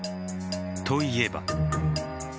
といえば。